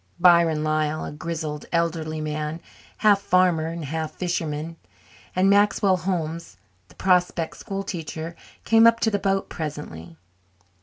Byron Lyall, a grizzled, elderly man, half farmer, half fisherman, and Maxwell Holmes, the Prospect schoolteacher, came up to the boat presently.